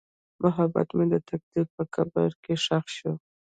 محبت مې د تقدیر په قبر کې ښخ شو.